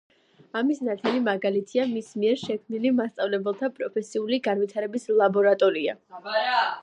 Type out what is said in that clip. ამის ნათელი მაგალითია მის მიერ შექმნილი მასწავლებელთა პროფესიული განვითარების ლაბორატორია.